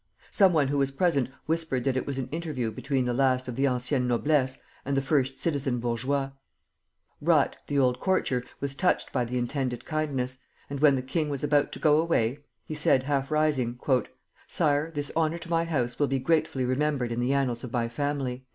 Some one who was present whispered that it was an interview between the last of the ancienne noblesse and the first citizen bourgeois. Rut the old courtier was touched by the intended kindness, and when the king was about to go away, he said, half rising: "Sire, this honor to my house will be gratefully remembered in the annals of my family."